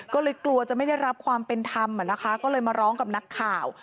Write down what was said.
ก็เลยกลัวจะไม่ได้รับความเป็นธรรมนะคะก็เลยมาร้องกับนักข่าว